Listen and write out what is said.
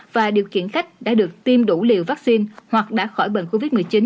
và điều khiển khách đã được tiêm đủ liều vaccine hoặc đã khỏi bệnh covid một mươi chín